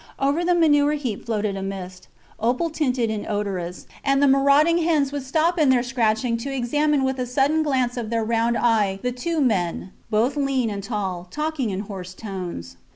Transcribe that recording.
Over the manure heap floated a mist, opal tinted and odorous, and the marauding hens would stop in their scratching to examine with a sudden glance of their round eye the two men, both lean and tall, talking in hoarse tones.